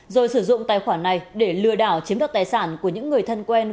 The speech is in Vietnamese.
rồi sử dụng tài khoản này để lừa đảo chiếm đoạt tài sản của những người thân quen